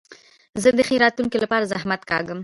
زه د ښې راتلونکي له پاره زحمت کاږم.